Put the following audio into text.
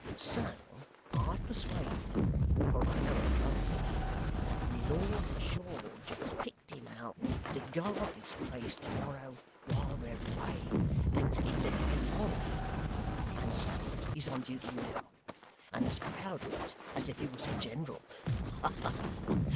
So I've persuaded him (for I know him of old) that Lord George has picked him out to guard this place to morrow while we're away, and that it's a great honour and so he's on duty now, and as proud of it as if he was a general. Ha ha!